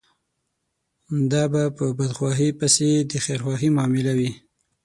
دا به په بدخواهي پسې د خيرخواهي معامله وي.